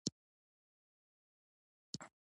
هر ایالت خپله ژبه او کلتور لري.